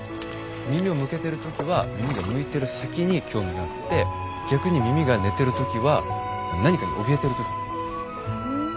耳を向けてる時は耳が向いてる先に興味があって逆に耳が寝てる時は何かにおびえてる時なんだ。